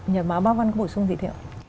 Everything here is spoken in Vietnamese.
nhờ báo bác văn có bổ sung gì thiệu